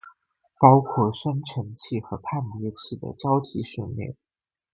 包括生成器和判别器的交替训练